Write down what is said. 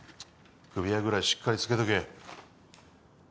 首輪ぐらいしっかりつけとけ。